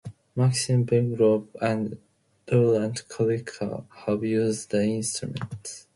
Maxim Vengerov and Laurent Korcia have used the instruments.